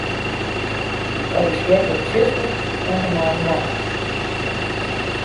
Korrizjearje 'tsjuster' oant en mei 'nacht'.